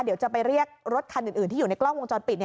เดี๋ยวจะไปเรียกรถคันอื่นที่อยู่ในกล้องวงจรปิด